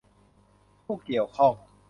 ผู้เกี่ยวข้อง